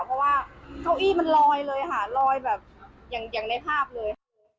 เพราะว่าเก้าอี้มันลอยเลยค่ะลอยแบบอย่างในภาพเลย